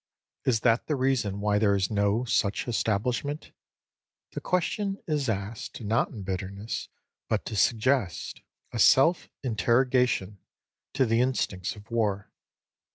Is that the reason why there is no such establishment? The question is asked, not in bitterness, but to suggest a self interrogation to the instincts of war.